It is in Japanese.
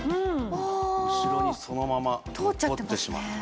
後ろにそのまま通ってしまっています。